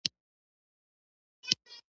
یا زرین، غمګین او ماپښین.